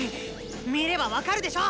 見れば分かるでしょ！